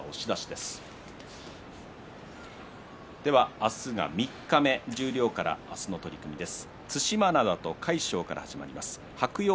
明日、三日目十両から明日の取組です。